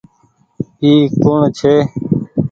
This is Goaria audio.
اي ڪوڻ ڇي۔